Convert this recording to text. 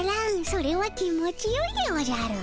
それは気持ちよいでおじゃる。